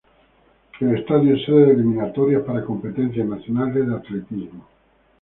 El estadio es sede de eliminatorias para competencias nacionales de atletismo.